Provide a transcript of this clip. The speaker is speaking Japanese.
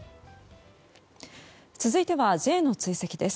続いてはＪの追跡です。